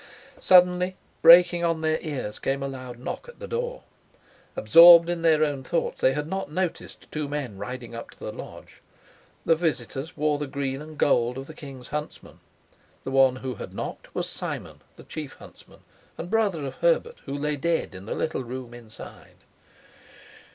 Suddenly breaking on their ears came a loud knock at the door. Absorbed in their own thoughts, they had not noticed two men riding up to the lodge. The visitors wore the green and gold of the king's huntsmen; the one who had knocked was Simon, the chief huntsman, and brother of Herbert, who lay dead in the little room inside.